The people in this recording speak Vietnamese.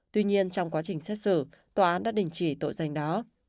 tuy nhiên trong quá trình xét xử tòa án đã đình chỉ tội danh đó